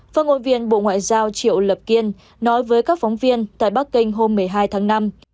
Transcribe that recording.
phát ngôn viên bộ ngoại giao triệu lập kiên nói với các phóng viên tại bắc kinh hôm một mươi hai tháng năm